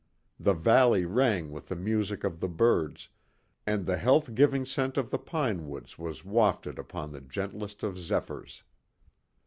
The valley rang with the music of the birds, and the health giving scent of the pine woods was wafted upon the gentlest of zephyrs.